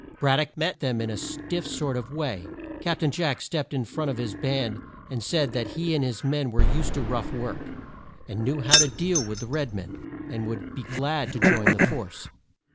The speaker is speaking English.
Brad dock met them in a stiff sort of way. Cap tain Jack stepped in front of his band and said that he and his men were used to rough work, and knew how to deal with the red men, and would be glad to join the force.